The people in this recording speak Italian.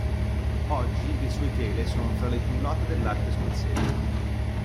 Oggi le sue tele sono fra le più note dell'arte scozzese.